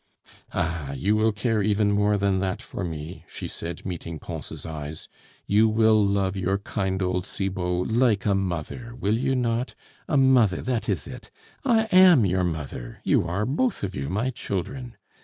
"Ah! you will care even more than that for me," she said, meeting Pons' eyes. "You will love your kind old Cibot like a mother, will you not? A mother, that is it! I am your mother; you are both of you my children....